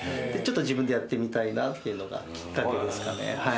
自分でやってみたいなっていうのがきっかけですかね。